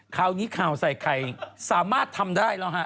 คราวนี้ข่าวใส่ใครสามารถทำได้หรอฮะ